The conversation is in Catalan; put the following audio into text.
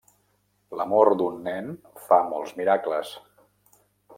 L'amor d'un nen fa molts miracles.